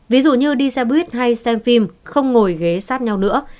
ví dụ như đi xe buýt hay xem phim không ngồi ghế sát nhau nữa